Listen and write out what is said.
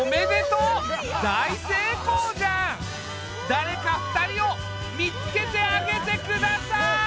誰か２人を見つけてあげてください！